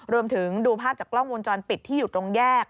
ดูภาพจากกล้องวงจรปิดที่อยู่ตรงแยก